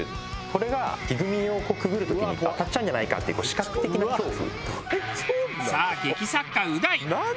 これが木組みをくぐる時に当たっちゃうんじゃないかっていう視覚的な恐怖。